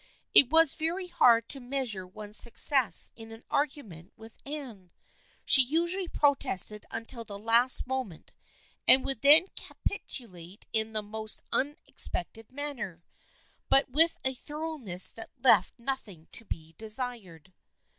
It was very hard to measure one's success in an argument with Anne. She usually protested until the last moment and would then capitulate in the most un expected manner, but with a thoroughness that left nothing to be desired.